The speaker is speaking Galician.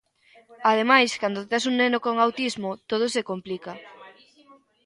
Ademais, cando tes un neno con autismo todo se complica.